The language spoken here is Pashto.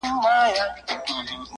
عاشق معسوق ډېوه لمبه زاهد ايمان ساتي,